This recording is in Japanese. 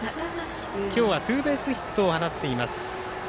今日はツーベースヒットを放っています。